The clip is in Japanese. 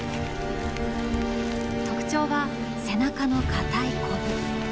特徴は背中の硬いコブ。